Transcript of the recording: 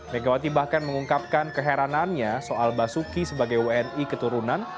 megawati bahkan mengungkapkan keheranannya soal basuki sebagai wni keturunan